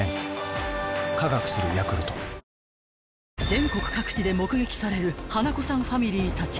［全国各地で目撃される花子さんファミリーたち］